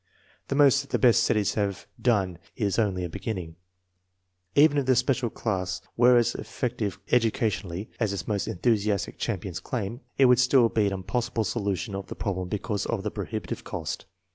The most that the best cities have done is only a beginning. Even if the special class were as effective educationally as its most enthusiastic cham pions claim, it would still be an impossible solution of the problem because of the prohibitive cost.